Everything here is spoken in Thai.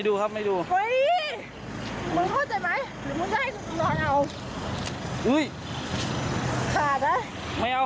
มึงจะให้ดูมั้ย